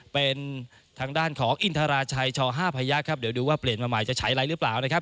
เป็นทางด้านของอินทราชัยช๕พยักษ์ครับเดี๋ยวดูว่าเปลี่ยนมาใหม่จะใช้อะไรหรือเปล่านะครับ